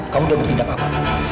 kamu sudah bertindak apa